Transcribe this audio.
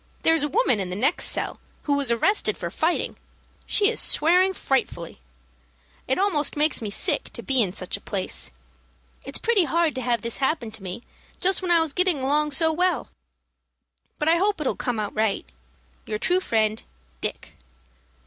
There's a woman in the next cell, who was arrested for fighting. She is swearing frightfully. It almost makes me sick to be in such a place. It's pretty hard to have this happen to me just when I was getting along so well. But I hope it'll all come out right. Your true friend, "DICK.